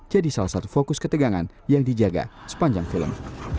jadi salah satu fokus ketegangan yang dijaga sepanjang film